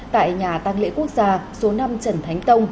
tại nhà tăng lễ quốc gia số năm trần thánh tông